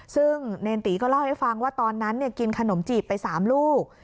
ซึ่งเนรตีก็เล่าให้ฟังว่าตอนนั้นกินขนมจีบไป๓ลูก